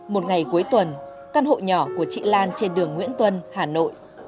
một ngày cuối tuần căn hộ nhỏ của chị lan trên đường nguyễn tuân hà nội